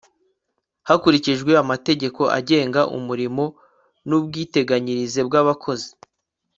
hakurikijwe amategeko agenga umurimo n'ubwiteganyirize bw'abakozi